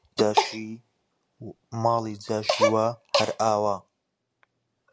ماڵی جاشی وا هەر ئاوا!